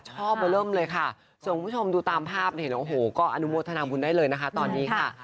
ชอบมาเริ่มเลยค่ะส่วนคุณผู้ชมดูตามภาพเนี่ยเห็นโอ้โหก็อนุโมทนาบุญได้เลยนะคะตอนนี้ค่ะ